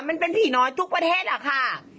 มันเป็นผีน้อยทุกประเทศอะค่ะ